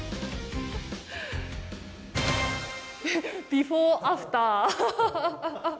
ビフォーアフター。